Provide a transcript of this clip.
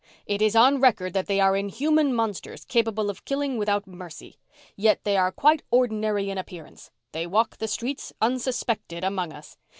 It is on record that they are inhuman monsters capable of killing without mercy yet they are quite ordinary in appearance. They walk the streets, unsuspected, among us.